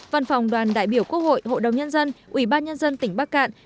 văn phòng đoàn đại biểu quốc hội hội đồng nhân dân ủy ban nhân dân tỉnh bắc cạn